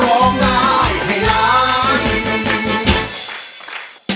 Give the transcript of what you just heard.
ร้องได้ให้ล้าน